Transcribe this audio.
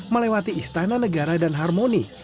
melewati istana negara dan harmoni